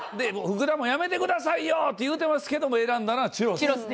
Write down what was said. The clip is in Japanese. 福田も「やめてくださいよ」って言うてますけども選んだのはチュロス。